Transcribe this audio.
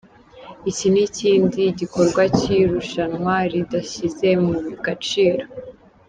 "Iki ni ikindi gikorwa cy'irushanwa ridashyize mu gaciro.